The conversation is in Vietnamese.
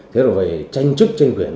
thế rồi về tranh chức tranh quyền